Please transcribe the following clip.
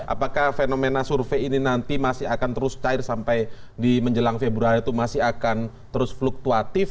apakah fenomena survei ini nanti masih akan terus cair sampai di menjelang februari itu masih akan terus fluktuatif